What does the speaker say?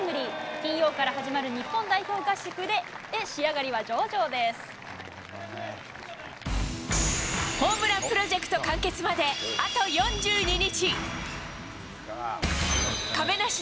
金曜から始まる日本代表合宿へ、ホームランプロジェクト完結まで、あと４２日。